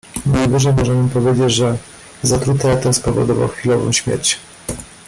"Najwyżej możemy powiedzieć, że zatruty eter spowodował chwilową śmierć."